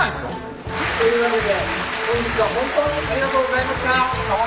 というわけで本日は本当にありがとうございました。